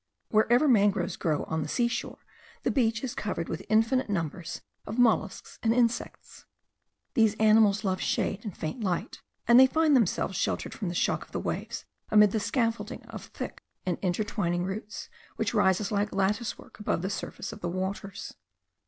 Wherever mangroves grow on the sea shore, the beach is covered with infinite numbers of molluscs and insects. These animals love shade and faint light, and they find themselves sheltered from the shock of the waves amid the scaffolding of thick and intertwining roots, which rises like lattice work above the surface of the waters.